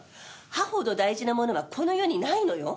歯ほど大事なものはこの世にないのよ。